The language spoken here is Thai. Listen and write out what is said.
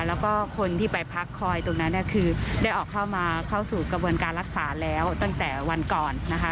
แล้วก็คนที่ไปพักคอยตรงนั้นเนี่ยคือได้ออกเข้ามาเข้าสู่กระบวนการรักษาแล้วตั้งแต่วันก่อนนะคะ